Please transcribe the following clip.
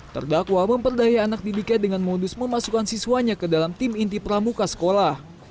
terdakwa memperdaya anak didiknya dengan modus memasukkan siswanya ke dalam tim inti pramuka sekolah